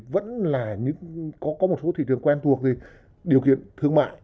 vẫn là có một số thị trường quen thuộc về điều kiện thương mại